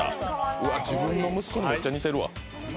うわ自分の息子にめっちゃ似てるわ。